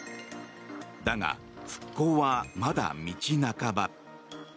だが、復興はまだ道半ば。